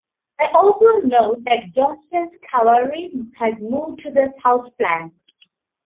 I also know that Johnston's cavalry has moved to the south flank.